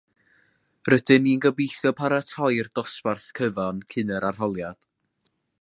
Rydyn ni'n gobeithio paratoi'r dosbarth cyfan cyn yr arholiad